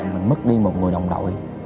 mình mất đi một người đồng đội